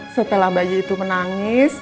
setelah bayi itu menangis